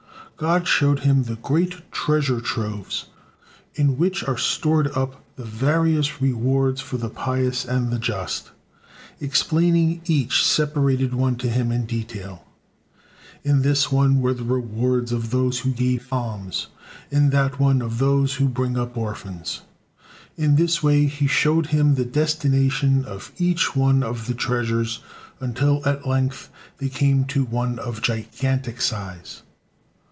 God showed him the great treasure troves in which are stored up the various rewards for the pious and the just, explaining each separated one to him in detail: in this one were the rewards of those who give alms; in that one, of those who bring up orphans. In this way He showed him the destination of each one of the treasures, until at length they came to one of gigantic size.